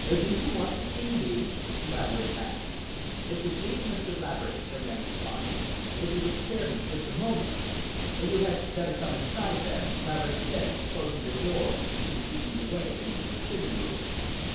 "Do you want to see me?" Laverick asked. "If you please, Mr. Laverick," the man replied, "if you could spare me just a moment." "You had better come inside, then," Laverick said, closing the door and preceding the way into the sitting room.